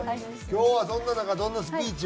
今日はそんな中どんなスピーチを？